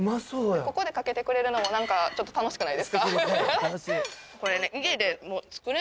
ここでかけてくれるのも何かちょっと楽しくないですか？